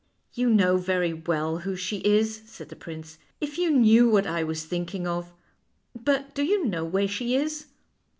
" You know very well who she is," said the prince, "if you knew what I was thinking of; but do you know where she is?